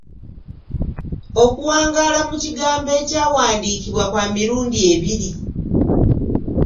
Okuwangaala mu kigambo ekyawandiikibwa kwa mirundi ebiri.